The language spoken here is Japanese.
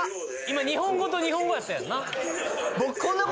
今日本語と日本語やったやんな？